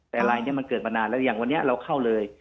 แต่ลายนี้มันเกิดมานานแล้วอย่างวันนี้เราเข้าเลย